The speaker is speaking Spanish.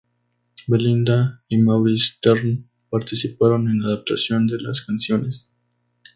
Belinda y Mauri Stern participaron en la adaptación de las canciones.